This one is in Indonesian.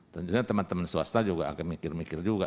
tentunya teman teman swasta juga akan mikir mikir juga